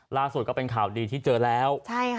ล่าสุดก็เป็นข่าวดีที่เจอแล้ว